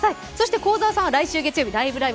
幸澤さんは来週月曜日「ライブ！ライブ！」